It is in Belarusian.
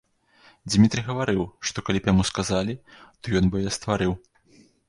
Дзмітрый гаварыў, што калі б яму сказалі, то ён бы яе стварыў.